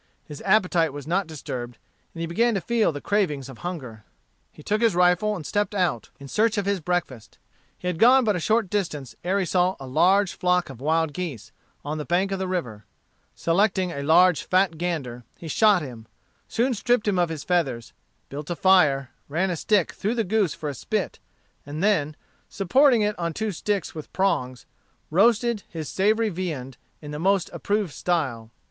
His appetite was not disturbed, and he began to feel the cravings of hunger. He took his rifle and stepped out in search of his breakfast. He had gone but a short distance ere he saw a large flock of wild geese, on the bank of the river. Selecting a large fat gander, he shot him, soon stripped him of his feathers, built a fire, ran a stick through the goose for a spit, and then, supporting it on two sticks with prongs, roasted his savory viand in the most approved style.